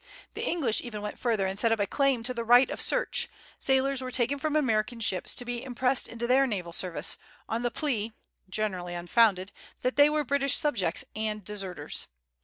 The English even went further and set up a claim to the right of search; sailors were taken from American ships to be impressed into their naval service, on the plea generally unfounded that they were British subjects and deserters.